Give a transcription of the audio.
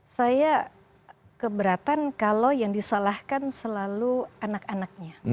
saya keberatan kalau yang disalahkan selalu anak anaknya